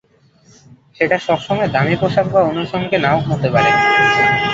সেটা সব সময় দামি পোশাক বা অনুষঙ্গে না ও হতে পারে।